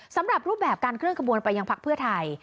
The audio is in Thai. สำหรับรูปแบบการเคลื่อนขบวนไปยังพักเพื่อไทย